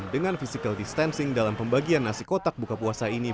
dengan physical distancing dalam pembagian nasi kotak buka puasa ini